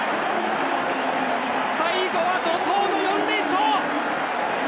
最後は怒涛の４連勝！